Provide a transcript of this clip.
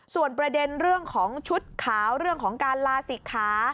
ส่วนประเด็นเรื่องของชุดขาวเรื่องของการลาศิกขา